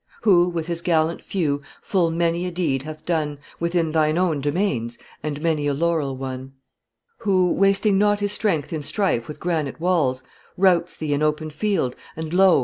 Who, with his gallant few, full many a deed hath done Within thine own domains, and many a laurel won? Who, wasting not his strength in strife with granite walls, Routs thee in open field, and lo!